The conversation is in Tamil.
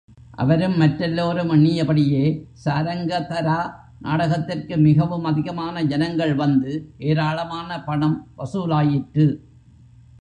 அவரும், மற்றெல்லோரும் எண்ணியபடியே, சாரங்கதரா நாடகத்திற்கு மிகவும் அதிகமாக ஜனங்கள் வந்து, ஏராளமான பணம் வசூலாயிற்று.